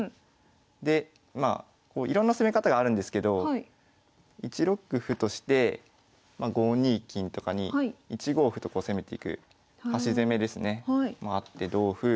でまあいろんな攻め方があるんですけど１六歩として５二金とかに１五歩とこう攻めていく端攻めですねもあって同歩。